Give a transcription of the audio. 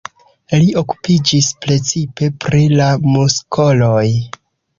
Li okupiĝis precipe pri la muskoloj.